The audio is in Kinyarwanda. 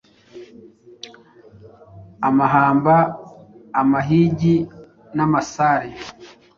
amahamba, amahigi n’amasare